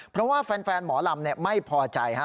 เพราะว่าแฟนหมอลำไม่พอใจฮะ